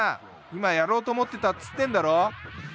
今やろうと思ってたっつってんだろ！